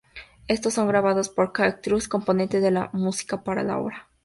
Estos son grabados por Cage Trust y componen la música para la obra.